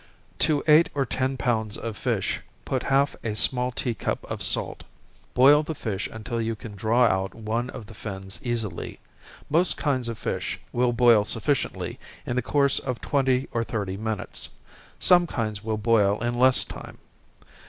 To eight or ten pounds of fish, put half of a small tea cup of salt. Boil the fish until you can draw out one of the fins easily most kinds of fish will boil sufficiently in the course of twenty or thirty minutes, some kinds will boil in less time.